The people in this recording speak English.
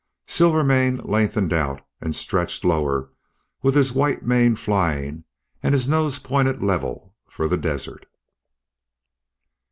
Silvermane lengthened out and stretched lower with his white mane flying and his nose pointed level for the desert.